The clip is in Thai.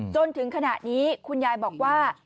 จนถึงขณะนี้คุณยายบอกว่า